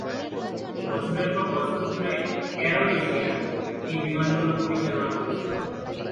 বছরের পর বছর ধরে অ্যারো এশিয়া এই বিমানগুলো পরিচালনা করেছিল;